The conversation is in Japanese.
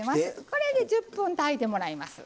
これで１０分炊いてもらいます。